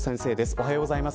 おはようございます。